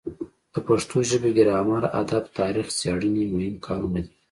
د پښتو ژبې ګرامر ادب تاریخ څیړنې مهم کارونه دي.